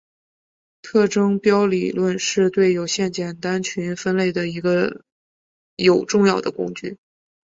特征标理论是对有限简单群分类的一个有重要的工具。